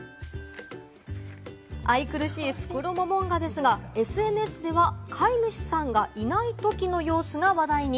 愛くるしいフクロモモンガですが、ＳＮＳでは飼い主さんがいないときの様子が話題に。